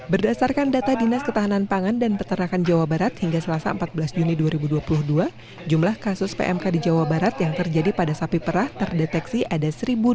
berdasarkan data dinas ketahanan pangan dan peternakan jawa barat hingga selasa empat belas juni dua ribu dua puluh dua jumlah kasus pmk di jawa barat yang terjadi pada sapi perah terdeteksi ada satu dua ratus